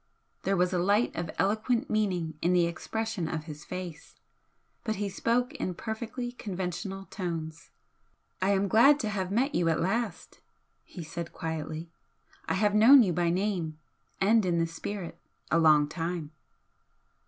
There was a light of eloquent meaning in the expression of his face, but he spoke in perfectly conventional tones: "I am glad to have met you at last," he said, quietly "I have known you by name and in the spirit a long time."